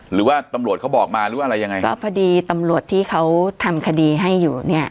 หรือว่าตำรวจเขาบอกมาหรืออะไรยังไงครับก็พอดีตำรวจที่เขาทำคดีให้อยู่เนี่ย